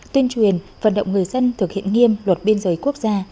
tuyên truyền vận động người dân thực hiện nghiêm luật biên giới quốc gia